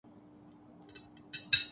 بلی نے پنجہ مار دیا تھا